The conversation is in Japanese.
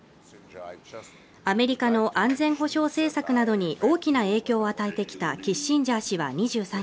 アメリカの安全保障政策などに大きな影響を与えてきたキッシンジャー氏は２３日